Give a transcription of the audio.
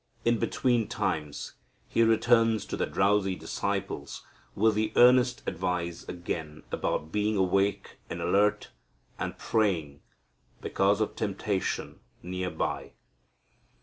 In between times He returns to the drowsy disciples with the earnest advice again about being awake, and alert, and praying because of temptation near by.